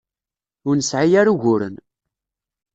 Ur nesɛi ara uguren.